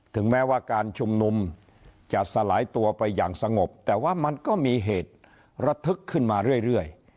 ถึงแม้ว่าการชุมนุมจะสลายตัวไปอย่างสงบแต่ว่ามันก็มีเหตุระทึกขึ้นมาเรื่อย